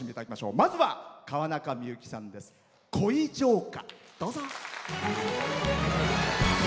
まずは川中美幸さん「恋情歌」。